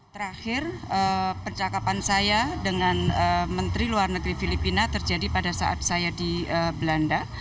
terakhir percakapan saya dengan menteri luar negeri filipina terjadi pada saat saya di belanda